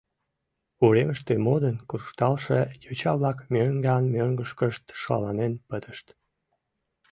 Уремыште модын куржталше йоча-влак мӧҥган-мӧҥгышкышт шаланен пытышт.